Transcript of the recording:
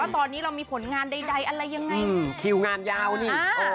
ว่าตอนนี้เรามีผลงานใดอะไรยังไง